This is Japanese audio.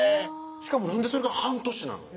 しかもなんでそれが半年なの？